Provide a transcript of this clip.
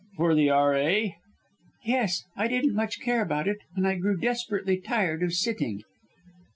"For the R.A.?" "Yes! I didn't much care about it, and I grew desperately tired of sitting."